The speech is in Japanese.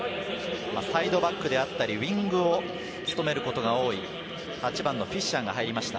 サイドバックであったり、ウイングを務めることが多い、８番のフィッシャーが入りました。